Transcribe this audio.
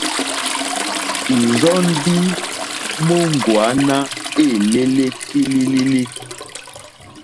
Ìrzɔ́ ndí móŋɡòáná éělélé kpílílílí.